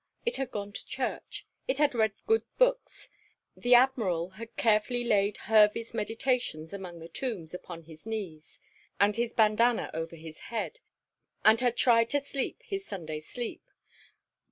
It had gone to church; it had read good books; the Admiral had carefully laid "Hervey's Meditations among the Tombs" open on his knees, and his bandana over his head, and had tried to sleep his Sunday sleep.